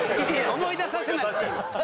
思い出させなくていい。